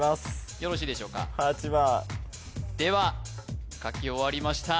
よろしいでしょうか８番では書き終わりました